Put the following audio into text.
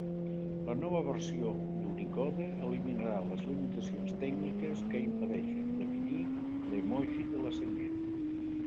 La nova versió d'Unicode eliminarà les limitacions tècniques que impedeixen definir l'emoji de la Senyera.